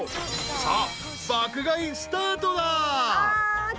［さあ爆買いスタートだ］